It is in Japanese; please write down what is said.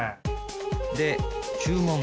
で注文。